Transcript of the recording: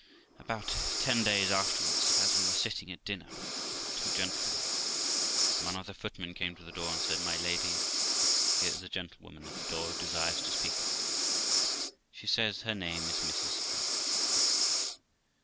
About ten days afterwards, as we were sitting at dinner with two gentlemen, one of the footmen came to the door, and said 'My lady, here is a gentlewoman at the door who desires to speak with you: she says her name is Mrs Amy.'